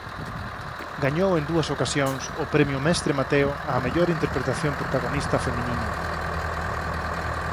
Gañou en dúas ocasións o premio Mestre Mateo á mellor interpretación protagonista feminina.